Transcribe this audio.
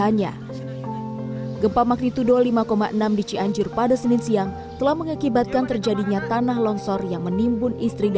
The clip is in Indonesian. lagi lagi pulang lagi di jalan terakhir kali